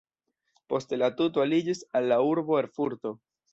Poste la tuto aliĝis al la urbo Erfurto.